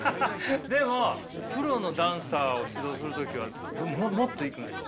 でもプロのダンサーを指導する時はもっといくんですか。